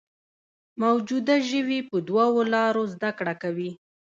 موجوده ژوي په دوو لارو زده کړه کوي.